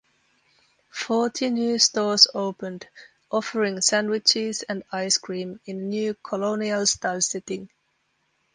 Forty new stores opened, offering sandwiches and ice cream in a new colonial-style setting.